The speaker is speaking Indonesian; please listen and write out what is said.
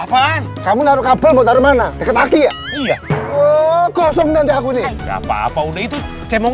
apaan kamu larut kabel mau taruh mana deket lagi ya iya kosong nanti aku nih apa apa udah itu cemong